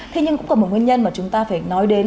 thế nhưng cũng còn một nguyên nhân mà chúng ta phải nói đến